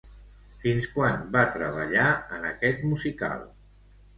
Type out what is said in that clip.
Fins quan va treballar en aquest musical?